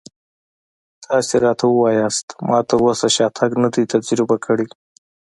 تاسې راته ووایئ ما تراوسه شاتګ نه دی تجربه کړی.